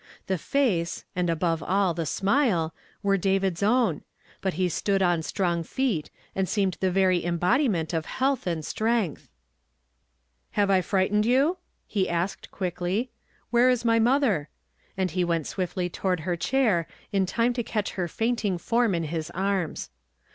Tlie face, and above all the smile, were David's own ; but he stood on strong feet, and seemed the very embodiment of health and strength !" Have I frightened you ?" he asked quickly. "Where is my mother?" and he went swiftly toward her chair in time to catch her fainting form in his arms.